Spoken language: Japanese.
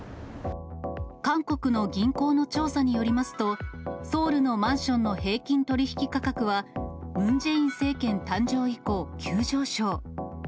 韓国の銀行の調査によりますと、ソウルのマンションの平均取り引き価格は、ムン・ジェイン政権誕生以降、急上昇。